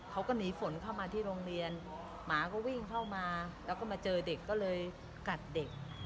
เขาก็หนีฝนเข้ามาที่โรงเรียนหมาก็วิ่งเข้ามาแล้วก็มาเจอเด็กก็เลยกัดเด็ก